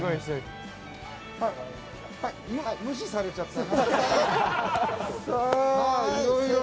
無視されちゃった。